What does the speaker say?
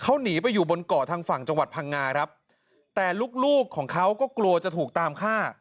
เขาหนีไปอยู่บนเกาะทางฝั่งจังหวัดพังงาครับแต่ลูกลูกของเขาก็กลัวจะถูกตามฆ่า